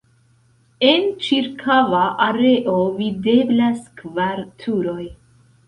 En ĉirkaŭa areo videblas kvar turoj.